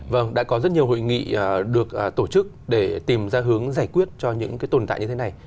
vâng đã có rất nhiều hội nghị được tổ chức để tìm ra hướng giải quyết cho những cái tồn tại như thế này